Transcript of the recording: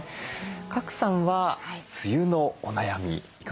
賀来さんは梅雨のお悩みいかがですか？